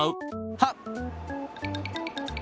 はっ！